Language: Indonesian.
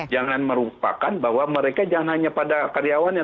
jangan merupakan bahwa mereka jangan hanya pada karyawannya